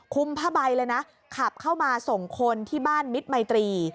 ผ้าใบเลยนะขับเข้ามาส่งคนที่บ้านมิตรมัยตรี